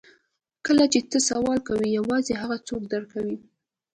کله چې ته سوال کوې یوازې هغه څه درکوي